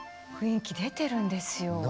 雰囲気出てるんですよ。